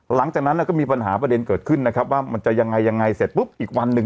หลังจากนั้นก็มีปัญหาประเด็นเกิดขึ้นนะครับว่ามันจะยังไงยังไงเสร็จปุ๊บอีกวันหนึ่ง